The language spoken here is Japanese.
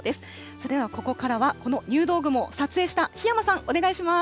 それではここからは、この入道雲を撮影した檜山さん、お願いします。